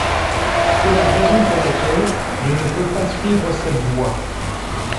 C’est la raison pour laquelle je ne peux pas suivre cette voie.